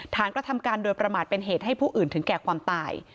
กระทำการโดยประมาทเป็นเหตุให้ผู้อื่นถึงแก่ความตาย